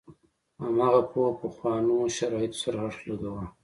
هماغه پوهه پخوانو شرایطو سره اړخ لګاوه.